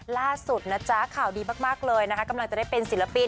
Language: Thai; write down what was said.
ล่าสุดเขาดีมากกำลังจะได้เป็นศิลปิน